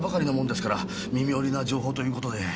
耳寄りな情報という事で。